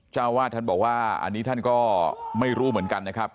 เจ้าวาดท่านบอกว่าอันนี้ท่านก็ไม่รู้เหมือนกันนะครับ